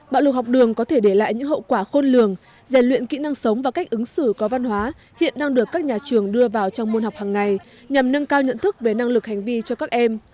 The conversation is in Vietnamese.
bạo lực học đường có thể để lại những hậu quả khôn lường rèn luyện kỹ năng sống và cách ứng xử có văn hóa hiện đang được các nhà trường đưa vào trong môn học hàng ngày nhằm nâng cao nhận thức về năng lực hành vi cho các em